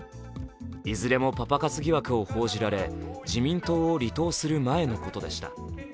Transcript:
いずれもパパ活疑惑を報じられ自民党を離党する前のことでした。